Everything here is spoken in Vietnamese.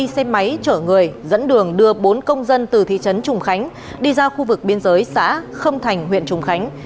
xe máy chở người dẫn đường đưa bốn công dân từ thị trấn trùng khánh đi ra khu vực biên giới xã khâm thành huyện trùng khánh